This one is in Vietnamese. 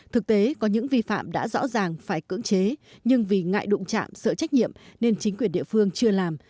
thực tế có những vi phạm đã rõ ràng phải cưỡng chế nhưng vì ngại đụng chạm sợ trách nhiệm nên chính quyền địa phương chưa làm